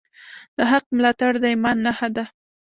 د حق ملاتړ د ایمان نښه ده.